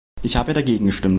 Ich habe dagegen gestimmt.